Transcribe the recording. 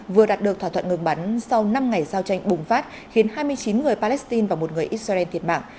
vừa đạt được thỏa thuận ngừng bắn sau năm ngày giao tranh bùng phát khiến hai mươi chín người palestine và một người israel thiệt mạng